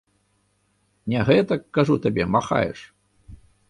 Не гэтак, кажу табе, махаеш!